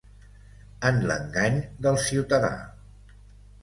En l’engany del ciutadà.